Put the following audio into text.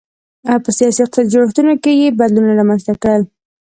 په سیاسي او اقتصادي جوړښتونو کې یې بدلونونه رامنځته کړل.